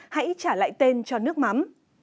hãy trả lại tên cho nước mắm